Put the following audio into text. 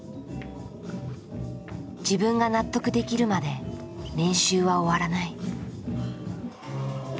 自分が納得できるまで練習は終わらない。